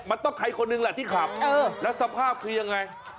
มันต้องใครคนหนึ่งแหละที่ขับแล้วสภาพคือยังไง